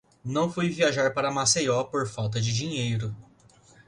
Não fui viajar para Maceió por falta de dinheiro.